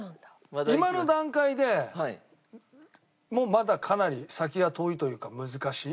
今の段階でもうまだかなり先は遠いというか難しい？